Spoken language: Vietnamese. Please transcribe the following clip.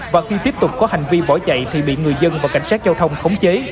và khi tiếp tục có hành vi bỏ chạy thì bị người dân và cảnh sát giao thông khống chế